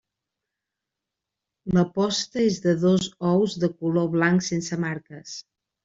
La posta és de dos ous de color blanc sense marques.